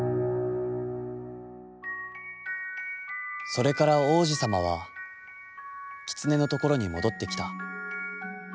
「それから王子さまは、キツネのところに戻ってきた。